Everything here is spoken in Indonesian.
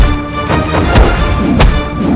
nabi qara datang